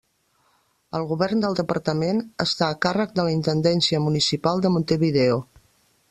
El govern del departament està a càrrec de la Intendència Municipal de Montevideo.